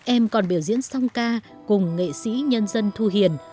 em còn biểu diễn song ca cùng nghệ sĩ nhân dân thu hiền